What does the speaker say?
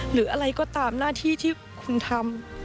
หรืออะไรก็ตามหน้าที่ที่คุณทำ